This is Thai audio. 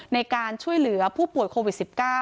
ในการช่วยเหลือผู้ป่วยโควิด๑๙